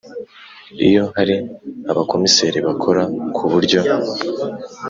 Iyo hari abakomiseri bakora ku buryo